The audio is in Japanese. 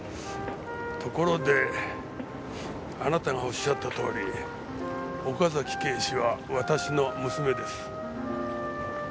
ところであなたがおっしゃったとおり岡崎警視は私の娘です。